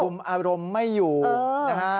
อารมณ์ไม่อยู่นะฮะ